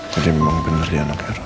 jadi memang bener dia anaknya roy